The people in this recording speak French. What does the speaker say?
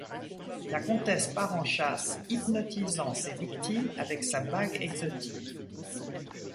La comtesse part en chasse, hypnotisant ses victimes avec sa bague exotique.